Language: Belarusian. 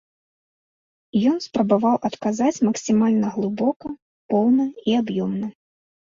Ён спрабаваў адказаць максімальна глыбока, поўна і аб'ёмна.